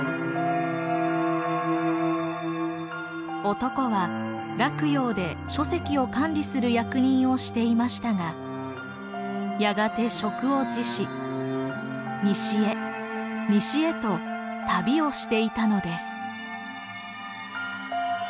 男は洛陽で書籍を管理する役人をしていましたがやがて職を辞し西へ西へと旅をしていたのです。